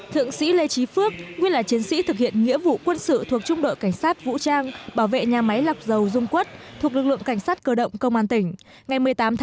thượng sĩ lê trí phước nguyên là chiến sĩ thực hiện nghĩa vụ quân sự thuộc trung đội cảnh sát vũ trang bảo vệ nhà máy lọc dầu dung quất thuộc lực lượng cảnh sát cơ động công an tỉnh